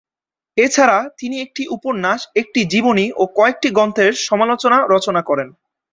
এছাড়া তিনি একটি উপন্যাস, একটি জীবনী ও কয়েকটি গ্রন্থের সমালোচনা রচনা করেন।